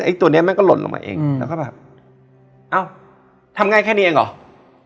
ตัวนี้มันก็หล่นลงมาเองแล้วก็แบบเอ้าทำง่ายแค่นี้เองเหรอ